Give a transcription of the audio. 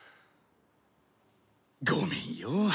ごめんよ。